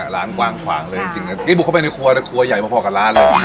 ร้านกว้างขวางเลยจริงนะนี่บุกเข้าไปในครัวเลยครัวใหญ่มาพอกับร้านเลย